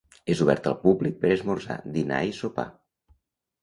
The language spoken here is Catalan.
És obert al públic per esmorzar, dinar i sopar.